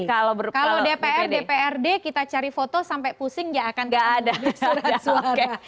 kalau dpr dprd kita cari foto sampai pusing tidak akan ada suara